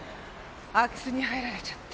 空き巣に入られちゃって。